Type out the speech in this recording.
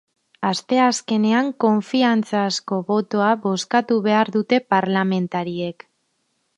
Asteazkenean konfiantzazko botoa bozkatu behar dute parlamentariek.